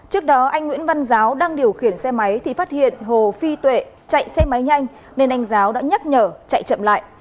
trước đó anh nguyễn văn giáo đang điều khiển xe máy thì phát hiện hồ phi tuệ chạy xe máy nhanh nên anh giáo đã nhắc nhở chạy chậm lại